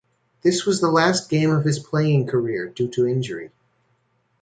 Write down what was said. This was the last game of his playing career due to injury.